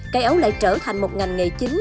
cây ấu lại trở thành một ngành nghề chính